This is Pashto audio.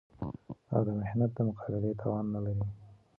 او د محنت د مقابلې توان نه لري